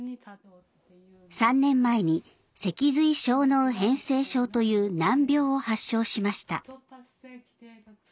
３年前に脊髄小脳変性症という難病を発症しました。